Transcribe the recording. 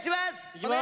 いきます！